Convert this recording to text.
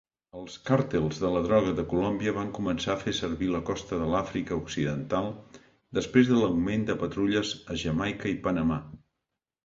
Els càrtels de la droga de Colòmbia van començar a fer servir la costa de l'Àfrica Occidental, després de l'augment de patrulles a Jamaica i Panamà.